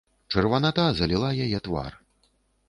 Чырваната заліла яе твар.